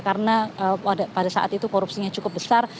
karena pada saat itu korupsinya cukup besar